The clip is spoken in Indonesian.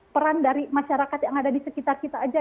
peran dari masyarakat yang ada di sekitar kita aja